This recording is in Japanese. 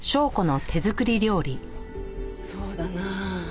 そうだなあ